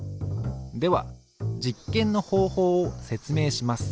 では実験の方法を説明します。